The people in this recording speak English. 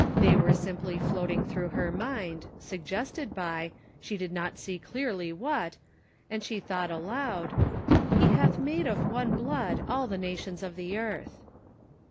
They were simply floating through her mind, suggested by, she did not clearly see what, and she thought aloud :"' He hath made of one blood all the nations of the earth.'